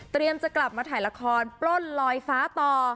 จะกลับมาถ่ายละครปล้นลอยฟ้าต่อ